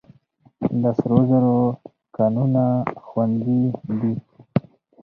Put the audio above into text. د سرو زرو کانونه خوندي دي؟